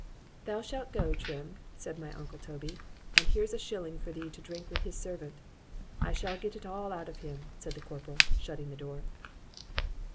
——Thou shalt go, Trim, said my uncle Toby, and here's a shilling for thee to drink with his servant.——I shall get it all out of him, said the corporal, shutting the door.